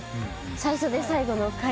最初で最後の海外。